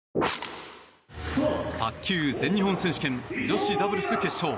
卓球全日本選手権女子ダブルス決勝。